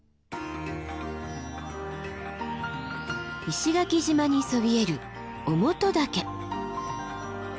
石垣島にそびえる於茂登岳。